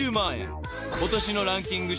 ［今年のランキング